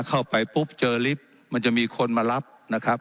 เข้าไปปุ๊บเจอลิฟต์มันจะมีคนมารับนะครับ